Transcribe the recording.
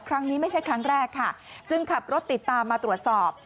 ครั้งนี้ไม่ใช่ครั้งแรกค่ะจึงขับรถติดตามมาตรวจสอบ